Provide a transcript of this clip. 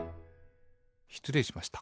しつれいしました。